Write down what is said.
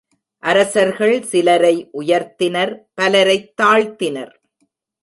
அரசர்கள் சிலரை உயர்த்தினர் பலரைத் தாழ்த்தினர்.